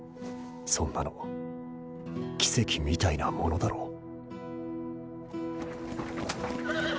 そんなの奇跡みたいなものだろ